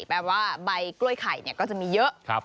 แปลว่าใบกล้วยไข่ก็จะมีเยอะ